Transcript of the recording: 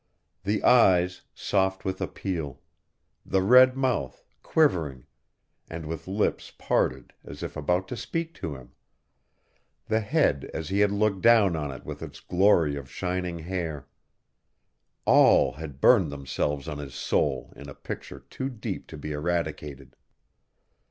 The eyes, soft with appeal; the red mouth, quivering, and with lips parted as if about to speak to him; the head as he had looked down on it with its glory of shining hair all had burned themselves on his soul in a picture too deep to be eradicated.